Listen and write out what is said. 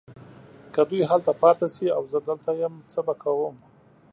که دوی هلته پاته شي او زه دلته یم څه به کوم؟